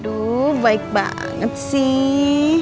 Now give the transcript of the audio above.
aduh baik banget sih